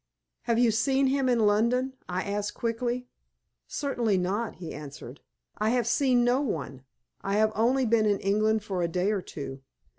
"Have you seen him in London?" I asked, quickly. "Certainly not," he answered; "I have seen no one. I have only been in England for a day or two.